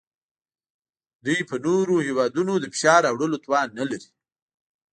دوی په نورو هیوادونو د فشار راوړلو توان نلري